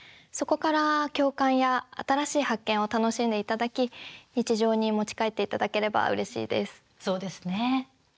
そこから共感や新しい発見を楽しんでいただき日常に持ち帰っていただければうれしいです。